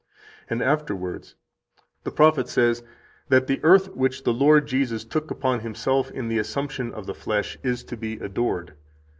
And afterwards: "The prophet says that the earth which the Lord Jesus took upon Himself in the assumption of the flesh is to be adored.